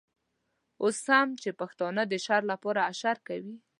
اوس هم چې پښتانه د شر لپاره اشر کوي.